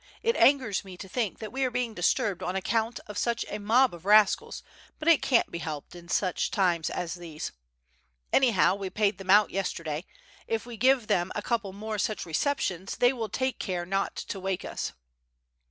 It angers me to think that we are being disturbed on account of such a mob of rascals, but it can't be helped, in such times as these. Anyhow we paid them out yesterday, if we give them a couple more such receptions they will take care not to wake us."